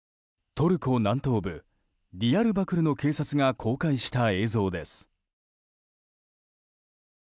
トルコ南東部ディヤルバクルの警察が公開した映像です。